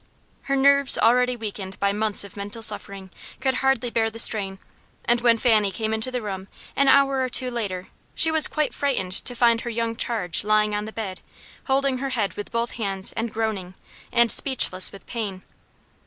Her nerves, already weakened by months of mental suffering, could hardly bear the strain; and when Fanny came into the room, an hour or two later, she was quite frightened to find her young charge lying on the bed, holding her head with both hands and groaning, and speechless with pain.